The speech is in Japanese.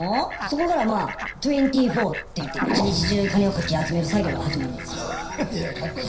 そこからまあ「２４」っていって一日中金をかき集める作業が始まるんですよ。